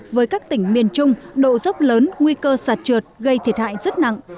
với các tỉnh miền trung độ dốc lớn nguy cơ sạt trượt gây thiệt hại rất nặng